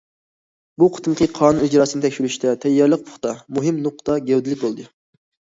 بۇ قېتىمقى قانۇن ئىجراسىنى تەكشۈرۈشتە تەييارلىق پۇختا، مۇھىم نۇقتا گەۋدىلىك بولدى.